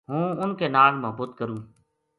ہوں اُنھ کے ناڑ محبت کروں ‘‘